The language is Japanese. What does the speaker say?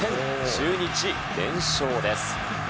中日、連勝です。